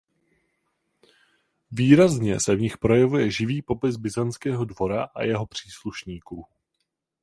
Výrazně se v nich projevuje živý popis byzantského dvora a jeho příslušníků.